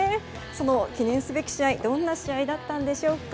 その記念すべき試合どんな試合だったのでしょうか。